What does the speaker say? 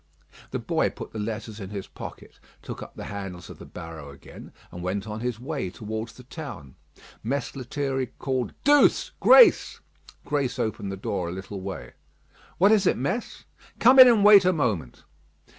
The boy put the letters in his pocket, took up the handles of the barrow again, and went on his way towards the town. Mess Lethierry called "Douce! Grace!" Grace opened the door a little way. "What is it, Mess?" "Come in and wait a moment."